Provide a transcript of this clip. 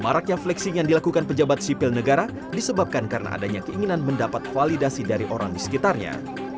maraknya flexing yang dilakukan pejabat sipil negara disebabkan karena adanya keinginan mendapat validasi dari orang di sekitarnya